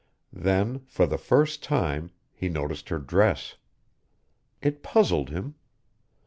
Then, for the first time, he noticed her dress. It puzzled him.